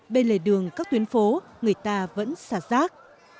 bên lề đường các tuyến phố người ta vẫn xả rác